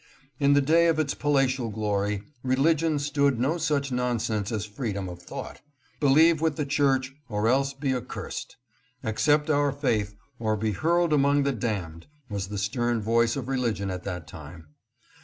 In the day of its palatial glory, religion stood no such non sense as freedom of thought. Believe with the church 686 THE PALACE OF THE POPES. or else be accursed; accept our faith or be hurled among the damned, was the stern voice of religion at that time.